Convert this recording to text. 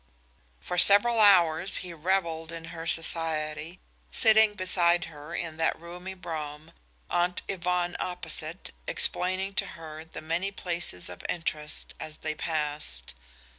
For several hours he reveled in her society, sitting beside her in that roomy brougham, Aunt Yvonne opposite, explaining to her the many places of interest as they passed.